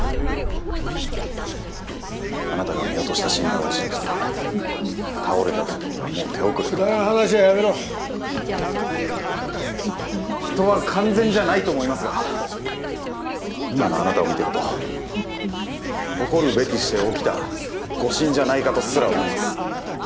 あなたが見落とした診断を信じて倒れた時にはもう手遅れだったくだらん話はやめろ人は完全じゃないと思いますが今のあなたを見てると起こるべきして起きた誤診じゃないかとすら思います